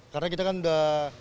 karena kita kan sudah